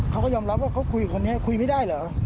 เขาก็ยอมรับว่าเขาคุยคนนี้คุยไม่ได้เหรอ